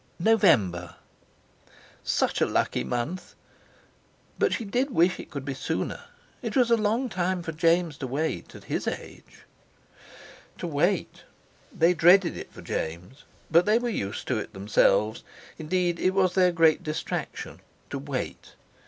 "November." Such a lucky month! But she did wish it could be sooner. It was a long time for James to wait, at his age! To wait! They dreaded it for James, but they were used to it themselves. Indeed, it was their great distraction. To wait!